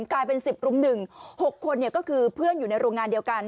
กลายเป็นสิบรุ่งหนึ่งหกคนเนี้ยก็คือเพื่อนอยู่ในโรงงานเดียวกัน